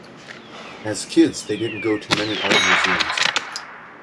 As kids, they didn't go to many art museums.